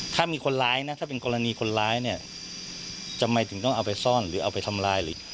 ถ้ามีคนร้ายนะถ้าเป็นกรณีคนร้ายเนี่ยทำไมถึงต้องเอาไปซ่อนหรือเอาไปทำลายหรือ